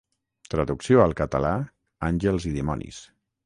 Traducció al català Àngels i dimonis.